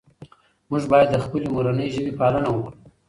موږ باید د خپلې مورنۍ ژبې پالنه وکړو.